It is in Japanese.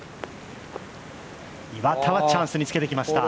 岩田はチャンスにつけてきました。